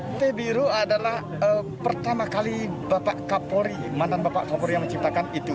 pantai biru adalah pertama kali bapak kapolri mantan bapak kapolri yang menciptakan itu